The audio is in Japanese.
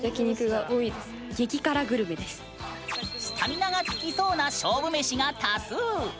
スタミナがつきそうな勝負メシが多数。